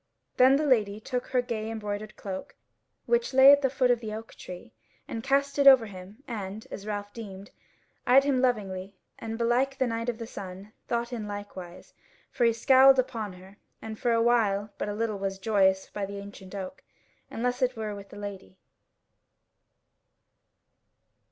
Then the Lady took her gay embroidered cloak, which lay at the foot of the oak tree, and cast it over him and, as Ralph deemed, eyed him lovingly, and belike the Knight of the Sun thought in likewise, for he scowled upon her; and for awhile but little was the joyance by the ancient oak, unless it were with the Lady.